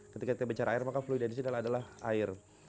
ketika kita bicara air maka fluida adalah air